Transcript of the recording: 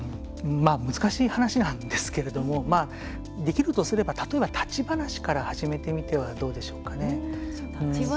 難しい話なんですけどできるとすれば立ち話から始めてみてはどうでしょうか。